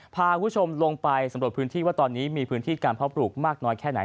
พาคุณผู้ชมลงไปสำรวจพื้นที่ว่าตอนนี้มีพื้นที่การเพาะปลูกมากน้อยแค่ไหน